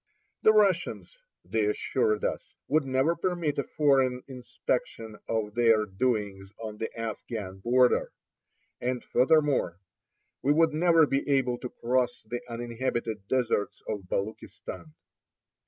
The Russians, they assured us, would never permit a foreign inspection of their doings on the Afghan border; and furthermore, we would never be able to cross the uninhabited deserts of Baluchistan.